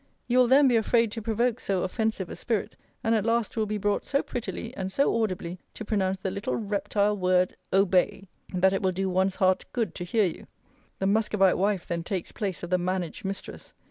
You will then be afraid to provoke so offensive a spirit: and at last will be brought so prettily, and so audibly, to pronounce the little reptile word OBEY, that it will do one's heart good to hear you. The Muscovite wife then takes place of the managed mistress.